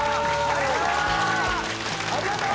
ありがとう！